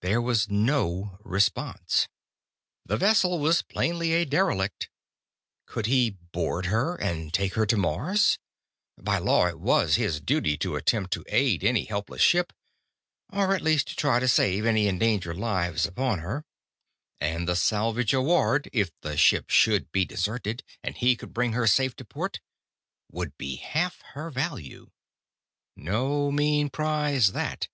There was no response. The vessel was plainly a derelict. Could he board her, and take her to Mars? By law, it was his duty to attempt to aid any helpless ship, or at least to try to save any endangered lives upon her. And the salvage award, if the ship should be deserted and he could bring her safe to port, would be half her value. No mean prize, that.